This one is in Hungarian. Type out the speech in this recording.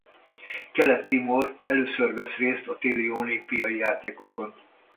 Kelet-Timor először vesz részt a téli olimpiai játékokon.